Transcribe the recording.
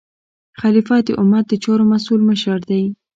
خلیفه د امت د چارو مسؤل مشر دی.